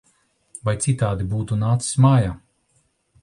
Vai citādi būtu nācis mājā!